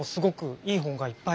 いい本がいっぱい。